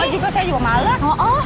oh juga saya juga males